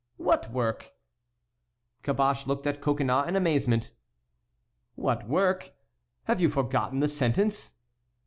"What work?" Caboche looked at Coconnas in amazement. "What work? Have you forgotten the sentence?"